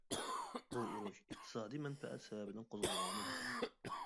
بۇ ئۇرۇش ئىقتىسادىي مەنپەئەت سەۋەبىدىن قوزغالغانىدى.